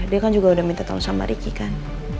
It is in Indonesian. dia kan juga udah minta tau sama riki kan